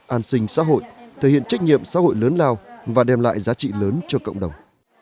an sinh xã hội thể hiện trách nhiệm xã hội lớn lao và đem lại giá trị lớn cho cộng đồng